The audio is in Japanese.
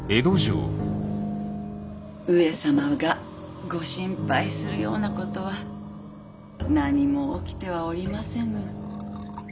上様がご心配するようなことは何も起きてはおりませぬ。